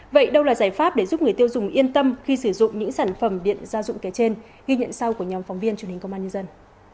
vậy đâu là giải pháp để giúp người tiêu dùng yên tâm khi sử dụng những sản phẩm điện gia dụng kể trên ghi nhận sau của nhóm phóng viên truyền hình công an nhân dân